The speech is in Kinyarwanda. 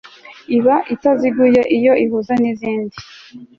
iba itaziguye iyo ihuza n izindi